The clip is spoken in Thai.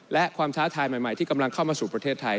และความท้าทายใหม่ที่กำลังเข้ามาสู่ประเทศไทย